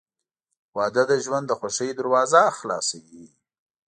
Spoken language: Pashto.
• واده د ژوند د خوښۍ دروازه خلاصوي.